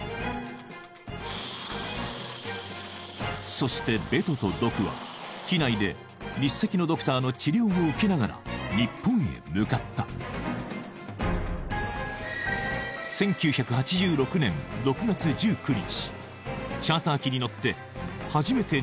そしてベトとドクは機内で日赤のドクターの治療を受けながら日本へ向かった１９８６年６月１９日